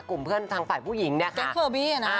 กลุ่มเพื่อนทางฝ่ายผู้หญิงนะคะ